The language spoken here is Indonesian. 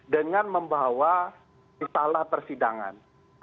dengan membawa istilah persidangan